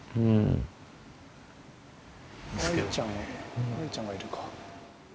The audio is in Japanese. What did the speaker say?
雷ちゃんがいるか。